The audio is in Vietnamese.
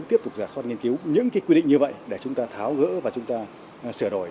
tiếp tục giả soát nghiên cứu những cái quy định như vậy để chúng ta tháo gỡ và chúng ta sửa đổi